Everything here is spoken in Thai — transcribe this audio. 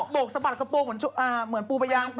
กสะบัดกระโปรงเหมือนปูพยาง